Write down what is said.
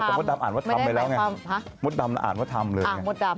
แต่มดดำอ่านว่าทำไปแล้วไงมดดำอ่านว่าทำเลยมดดำ